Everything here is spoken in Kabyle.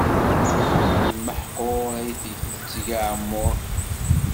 Di lmeḥqur ay deg tetteg aɛemmuṛ.